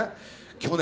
去年。